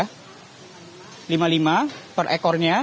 rp lima puluh lima per ekornya